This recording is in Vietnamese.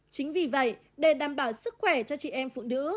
chính vì vậy để đảm bảo sức khỏe cho chị em phụ nữ